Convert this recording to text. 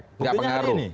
buktinya ada ini